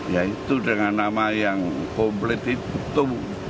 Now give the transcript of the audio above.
ya itu dengan nama yang komplit itu